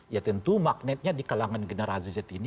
ya tentu magnetnya di kalangan generasi z ini